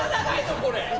これ。